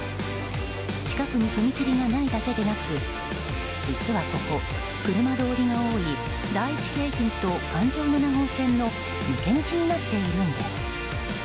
近くに踏切がないだけでなく実はここ、車通りが多い第１京浜と環状７号線の抜け道になっているんです。